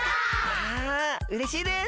わうれしいです！